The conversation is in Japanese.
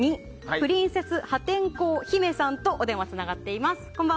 プリンセス破天荒姫さんとお電話がつながっています。